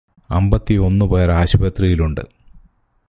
അമ്പത്തിയൊന്നു പേര് ആശുപത്രിയിലുണ്ട്.